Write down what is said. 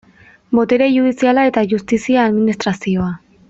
Botere judiziala eta justizia administrazioa.